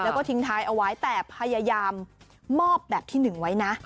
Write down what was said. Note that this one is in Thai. แล้วก็ทิ้งท้ายเอาไว้แต่พยายามมอบแบบที่๑ไว้นะ